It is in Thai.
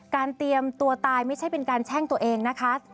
เตรียมตัวตายไม่ใช่เป็นการแช่งตัวเองนะคะ